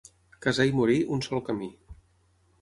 Casar i morir, un sol camí.